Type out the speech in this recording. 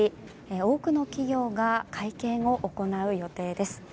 多くの企業が会見を行う予定です。